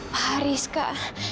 pak haris kak